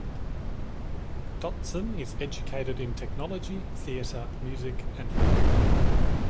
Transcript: Dotson is educated in technology, theater, music, and law.